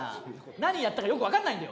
何やったかよく分かんないんだよ。